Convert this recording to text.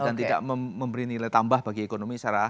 dan tidak memberi nilai tambah bagi ekonomi secara